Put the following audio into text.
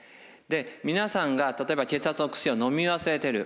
皆さんが例えば血圧の薬をのみ忘れている。